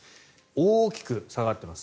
大きく下がっています。